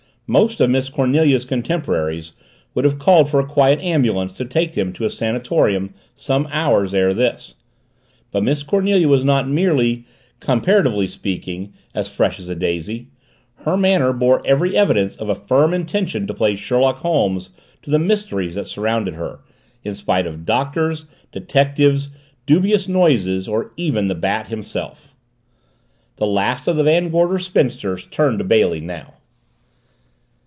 Most of Miss Cornelia's contemporaries would have called for a quiet ambulance to take them to a sanatorium some hours ere this but Miss Cornelia was not merely, comparatively speaking, as fresh as a daisy; her manner bore every evidence of a firm intention to play Sherlock Holmes to the mysteries that surrounded her, in spite of Doctors, detectives, dubious noises, or even the Bat himself. The last of the Van Gorder spinsters turned to Bailey now.